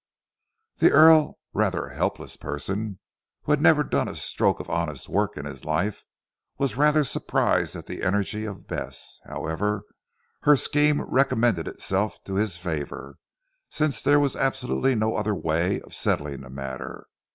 The Earl rather a helpless person who had never done a stroke of honest work in his life, was rather surprised at the energy of Bess. However her scheme recommended itself to his favour since there was absolutely no other way of settling the matter.